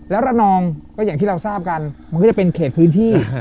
แล้วระนองก็อย่างที่เราทราบกันมันก็จะเป็นเขตพื้นที่